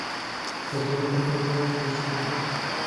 پښتانه په خپل کار کې تل ښه کوښښ کوي.